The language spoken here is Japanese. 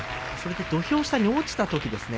土俵下に落ちたときですね